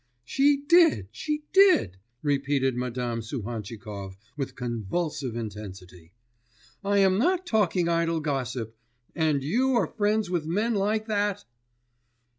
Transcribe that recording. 'She did, she did!' repeated Madam Suhantchikov with convulsive intensity: 'I am not talking idle gossip. And you are friends with men like that!